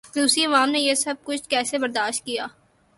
روسی عوام نے یہ سب کچھ کیسے برداشت کیا؟